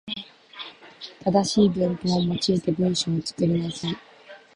正しい文法を用いて文章を作りなさい。